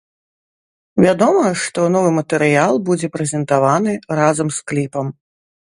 Вядома, што новы матэрыял будзе прэзентаваны разам з кліпам.